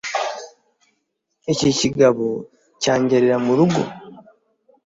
Iki kigabo cyangerera mu rugo?